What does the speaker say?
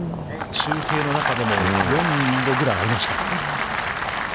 中継の中でも、４度ぐらいありました。